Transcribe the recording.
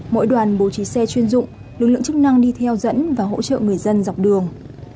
mỗi đoàn bố trí xe chuyên dụng lực lượng chức năng đi theo dẫn và hỗ trợ người dân dọc đường